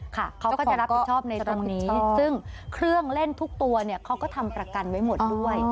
เขาก็จะรับผิดชอบในตรงนี้ซึ่งเครื่องเล่นทุกตัวเนี่ยเขาก็ทำประกันไว้หมดด้วย